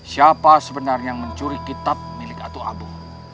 siapa sebenarnya yang mencuri kitab milik atu abu